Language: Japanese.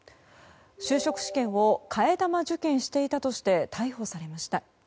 就職試験を替え玉受験していたとして逮捕されました。